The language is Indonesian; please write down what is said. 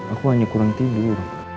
aku hanya kurang tidur